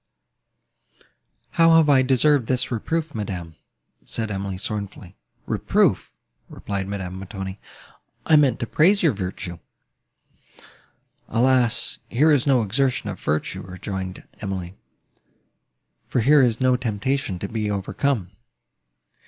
"How have I deserved this reproof, madam?" said Emily sorrowfully. "Reproof!" replied Madame Montoni: "I meant to praise your virtue." "Alas! here is no exertion of virtue," rejoined Emily, "for here is no temptation to be overcome."